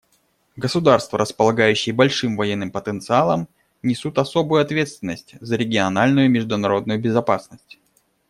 Государства, располагающие большим военным потенциалом, несут особую ответственность за региональную и международную безопасность.